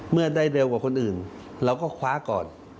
เมื่อได้เร็วกว่าคนอื่นเราก็คว้าก่อน